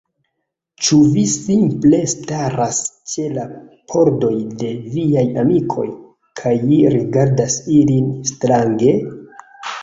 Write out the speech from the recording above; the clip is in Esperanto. Ĉu vi simple staras ĉe la pordoj de viaj amikoj, kaj rigardas ilin strange?